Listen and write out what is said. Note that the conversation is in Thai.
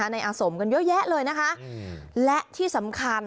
ในอาสมกันเยอะแยะเลยนะคะและที่สำคัญ